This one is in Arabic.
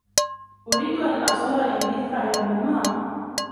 أريد أن أزور إنجلترا يوما.